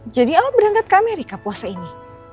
jadi lo berangkat ke amerika puasa ini